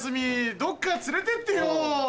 どっか連れてってよ。